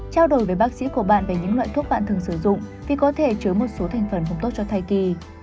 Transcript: trao đổi với bác sĩ của bạn về những loại thuốc bạn thường sử dụng vì có thể chứa một số thành phần không tốt cho thai kỳ